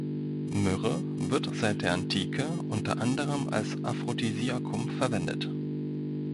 Myrrhe wird seit der Antike unter anderem als Aphrodisiakum verwendet.